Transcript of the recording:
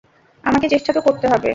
আমাকে চেষ্টা তো করতে হবে।